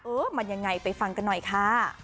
เออมันยังไงไปฟังกันหน่อยค่ะ